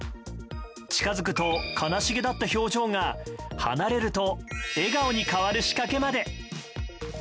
近づくと悲しげだった表情が離れると笑顔に変わる仕掛けまで。